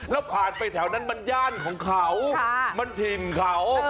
แล้วผ่านไปแถวนั้นมันย่านของเขามันถิ่นเขา